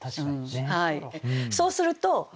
そうすると。